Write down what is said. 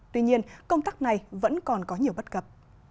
tuy nhiên công tác này vẫn còn có nhiều bất cập